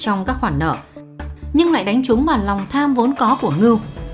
trong các khoản nợ nhưng lại đánh trúng vào lòng tham vốn có của ngư